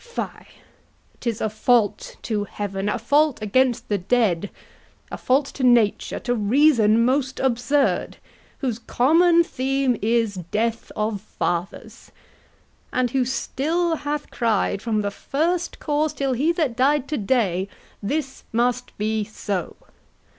Fie, 'tis a fault to heaven, A fault against the dead, a fault to nature, To reason most absurd, whose common theme Is death of fathers, and who still hath cried, From the first corse till he that died today, 'This must be so.